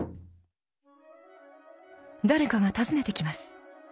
誰かが訪ねてきます。